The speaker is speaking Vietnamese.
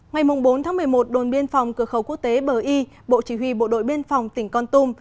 ngày bốn một mươi một đồn biên phòng cửa khẩu quốc tế bờ y bộ chỉ huy bộ đội biên phòng tỉnh con tum